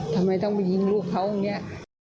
ทำไมต้องไปยิงลูกเขาอย่างนี้